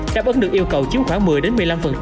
đáp ứng được yêu cầu chiếm khoảng một mươi đến một mươi năm